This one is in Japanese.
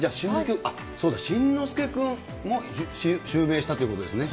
新之助君も襲名したということですね。